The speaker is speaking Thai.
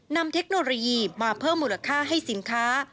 เทคโนโลยีมาเพิ่มมูลค่าให้สินค้า